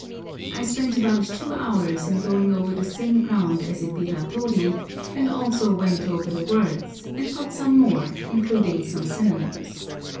I spent about two hours in going over the same ground as at Biratori, and also went over the words, and got some more, including some synonyms.